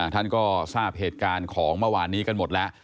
ท่านก็ทราบเหตุการณ์ของเมื่อวานนี้กันหมดแล้ว